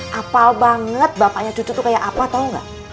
hafal banget bapaknya cucu tuh kayak apa tau gak